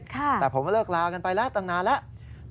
ค่ะแต่ผมเลิกลากันไปตั้งนานแล้ว